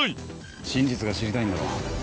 「真実が知りたいんだろ」